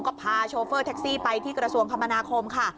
ก็พาโชเฟอร์แท็กซี่ไปที่กระทรวงคมนาคมค่ะ